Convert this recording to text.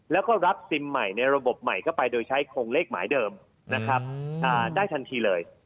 แล้วก็รับซิมใหม่ในระบบใหม่เข้าไปโดยใช้โครงเลขหมายเดิมนะครับได้ทันทีเลย